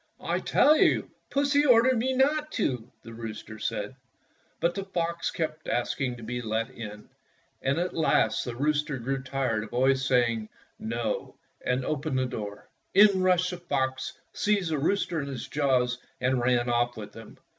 "I tell you Pussy ordered me not to," the rooster said. But the fox kept asking to be let in, and 180 Fairy Tale Foxes at last the rooster grew tired of always say ing, ''No,'' and opened the door. In rushed the fox, seized the rooster in his jaws, and ran off with him.